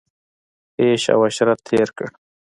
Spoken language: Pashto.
عیش او عشرت تېر کړ.